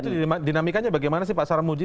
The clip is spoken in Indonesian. itu dinamikanya bagaimana sih pak sarmuji